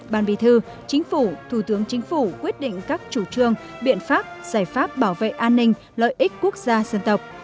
ban bì thư chính phủ thủ tướng chính phủ quyết định các chủ trương biện pháp giải pháp bảo vệ an ninh lợi ích quốc gia dân tộc